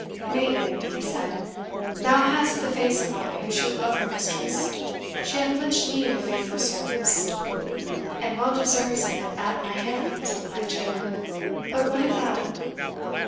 "Maiden," he said, "thou hast the face of one who should love her mistress. She hath much need of faithful service." "And well deserves it at my hands," replied Janet; "but what of that?"